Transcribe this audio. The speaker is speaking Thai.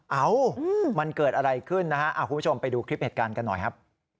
เอ้ามันเกิดอะไรขึ้นนะฮะคุณผู้ชมไปดูคลิปเหตุการณ์กันหน่อยครับ